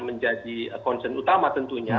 menjadi konsen utama tentunya